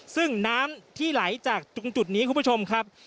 ซึ่งน้ำที่ไหลจากตรงจุดนี้คุณผู้ชมครับ